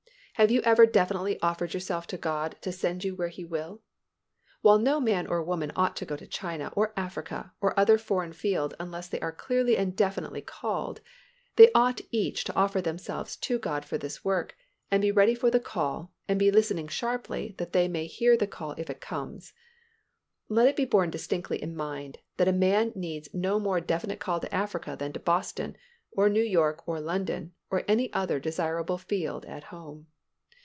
Have you ever definitely offered yourself to God to send you where He will? While no man or woman ought to go to China or Africa or other foreign field unless they are clearly and definitely called, they ought each to offer themselves to God for this work and be ready for the call and be listening sharply that they may hear the call if it comes. Let it be borne distinctly in mind that a man needs no more definite call to Africa than to Boston, or New York, or London, or any other desirable field at home.